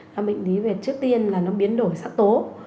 các bệnh lý về trước tiên là nó biến đổi sắc tố